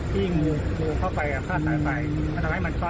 ที่งูเข้าไปกับภาษาไฟมันทำไมมันก็